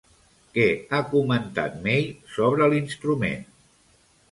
Què ha comentat May sobre l'instrument?